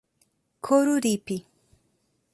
Coruripe